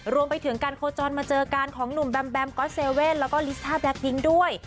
รวมไปถึงการโคจรมาเจอกันของหนุ่มแบมแบมก๊อตเซเว่นแล้วก็ลิซ่าแล็คดิ้งด้วย